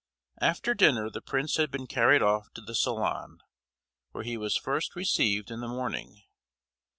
After dinner the Prince had been carried off to the salon, where he was first received in the morning.